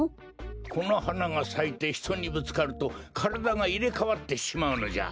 このはながさいてひとにぶつかるとからだがいれかわってしまうのじゃ！